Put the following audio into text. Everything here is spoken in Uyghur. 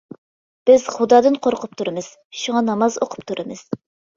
بىز خۇدادىن قورقۇپ تۇرىمىز، شۇڭا ناماز ئوقۇپ تۇرىمىز.